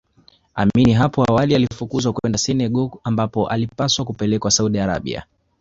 Amin hapo awali alifukuzwa kwenda Senegal ambapo alipaswa kupelekwa Saudi Arabia